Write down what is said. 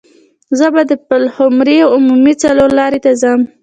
زه به د پلخمري عمومي څلور لارې ته ځم.